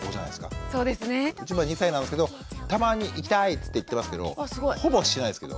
うち今２歳なんですけどたまに「行きたい」って言って行ってますけどほぼしないですけど。